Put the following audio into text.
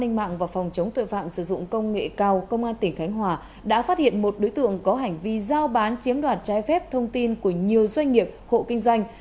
công an mạng và phòng chống tội phạm sử dụng công nghệ cao công an tỉnh khánh hòa đã phát hiện một đối tượng có hành vi giao bán chiếm đoạt trái phép thông tin của nhiều doanh nghiệp hộ kinh doanh